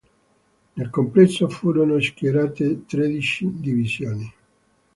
Nel complesso furono schierate tredici divisioni.